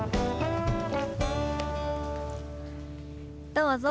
どうぞ。